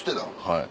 はい。